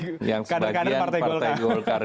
golkar yang sebagian partai golkar